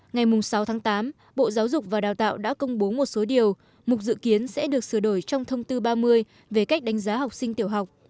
ngày sáu tháng tám bộ giáo dục và đào tạo đã công bố một số điều một dự kiến sẽ được sửa đổi trong thông tư ba mươi về cách đánh giá học sinh tiểu học